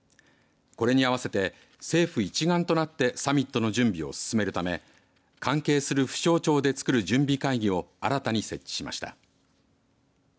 これに合わせて政府一丸となってサミットの準備を進めるため関係する府省庁でつくる準備会議を新たに設置しました。